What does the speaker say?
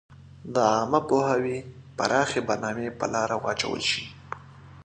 د عامه پوهاوي پراخي برنامي په لاره واچول شي.